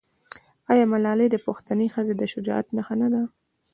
آیا ملالۍ د پښتنې ښځې د شجاعت نښه نه ده؟